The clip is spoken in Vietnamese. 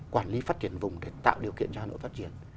quản lý phát triển vùng để tạo điều kiện cho hà nội phát triển